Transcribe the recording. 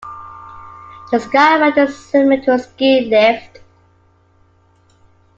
The Skyride is similar to a ski lift.